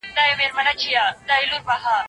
هغوی باید د خپلو کتابونو پاڼې ونه شلوي.